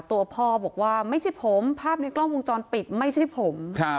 ตัวพ่อบอกว่าไม่ใช่ผมภาพในกล้องวงจรปิดไม่ใช่ผม